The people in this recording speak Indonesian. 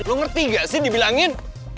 lo ngerti gak sih dibilangin